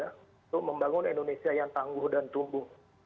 untuk membangun indonesia yang tangguh dan tumbuh